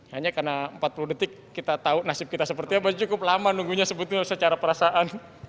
hanya karena empat puluh detik kita tahu nasib kita seperti apa cukup lama nunggunya sebetulnya secara perasaan